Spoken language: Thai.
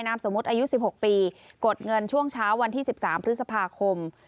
นามสมมติอายุสิบหกปีกดเงินช่วงเช้าวันที่สิบสามพฤษภาคม